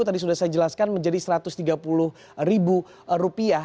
tadi sudah saya jelaskan menjadi rp satu ratus tiga puluh